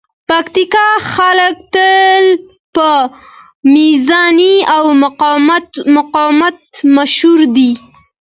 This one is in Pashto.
د پکتیکا خلک تل په مېړانې او مقاومت مشهور دي.